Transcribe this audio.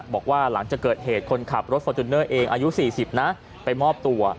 บอกว่าหลังจากเกิดเหตุคนขับรถฟอร์จูเนอร์เองอายุ๔๐นะไปมอบตัว